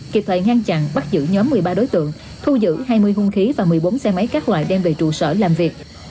kịp thời ngăn chặn bắt giữ nhóm một mươi ba đối tượng thu giữ hai mươi hung khí và một mươi bốn xe máy các loại đem về trụ sở làm việc